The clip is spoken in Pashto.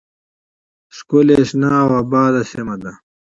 ، ښکلې، شنه او آباده سیمه ده.